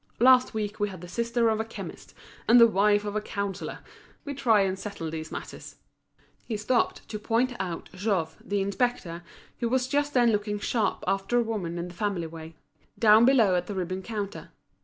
Last week we had the sister of a chemist, and the wife of a councillor. We try and settle these matters." He stopped to point out Jouve, the inspector, who was just then looking sharp after a woman in the family way, down below at the ribbon counter.